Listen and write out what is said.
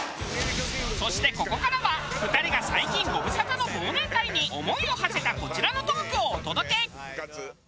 そしてここからは２人が最近ご無沙汰の忘年会に思いをはせたこちらのトークをお届け。